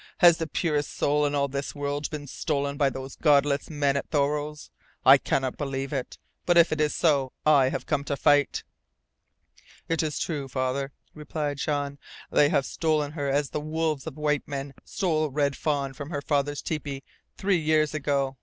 Has the purest soul in all this world been stolen by those Godless men at Thoreau's? I cannot believe it! But if it is so, I have come to fight!" "It is true, Father," replied Jean. "They have stolen her as the wolves of white men stole Red Fawn from her father's tepee three years ago.